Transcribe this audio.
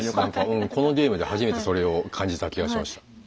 このゲームで初めてそれを感じた気がしました。